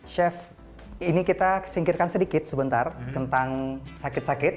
chef ini kita singkirkan sedikit sebentar tentang sakit sakit